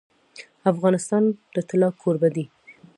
افغانستان د طلا کوربه دی.